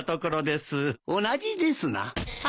同じですな。